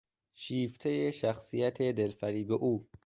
شیفتهی شخصیت دلفریب او